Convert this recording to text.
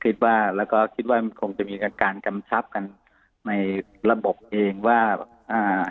คิดว่าแล้วก็คิดว่ามันคงจะมีการกำชับกันในระบบเองว่าอ่า